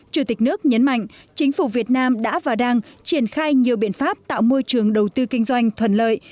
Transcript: chủ tịch nước nhấn mạnh chính phủ việt nam đã và đang triển khai nhiều biện pháp tạo môi trường đầu tư kinh doanh thuận lợi